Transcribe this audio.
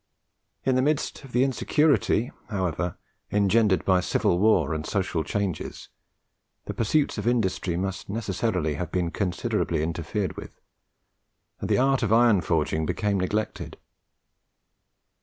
In the midst of the insecurity, however, engendered by civil war and social changes, the pursuits of industry must necessarily have been considerably interfered with, and the art of iron forging became neglected.